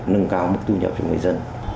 nâng cao mức thu nhập cho người dân